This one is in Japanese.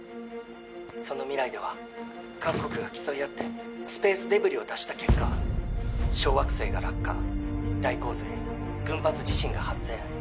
その未来では各国が競い合ってスペースデブリを出した結果小惑星が落下大洪水群発地震が発生